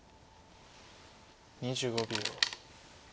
２５秒。